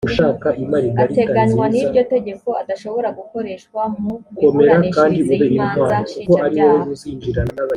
ateganywa n iryo tegeko adashobora gukoreshwa mu miburanishirize y imanza nshinjabyaha